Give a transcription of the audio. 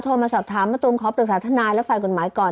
มาสอบถามมะตูมขอปรึกษาทนายและฝ่ายกฎหมายก่อน